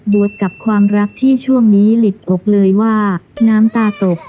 วดกับความรักที่ช่วงนี้ลิดอกเลยว่าน้ำตาตก